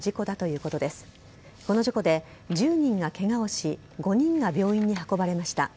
この事故で１０人がケガをし５人が病院に運ばれました。